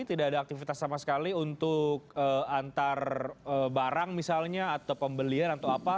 tidak ada aktivitas sama sekali untuk antar barang misalnya atau pembelian atau apa